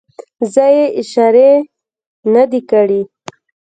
زه یې اشارې نه دي کړې.